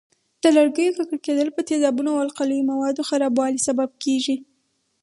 د لرګیو ککړېدل په تیزابونو او القلي موادو خرابوالي سبب کېږي.